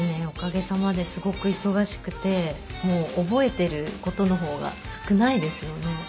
おかげさまですごく忙しくてもう覚えてる事の方が少ないですよね。